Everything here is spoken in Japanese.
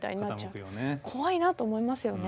怖いなと思いますよね。